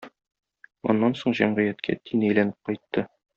Аннан соң җәмгыятькә дин әйләнеп кайтты.